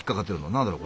何だろう？